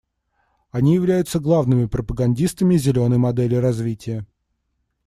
Они являются главными пропагандистами «зеленой» модели развития.